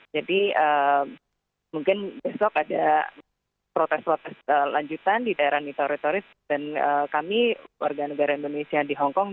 mungkin besok ada protes protes lanjutan di daerah mitoritoris dan kami warga negara indonesia di hongkong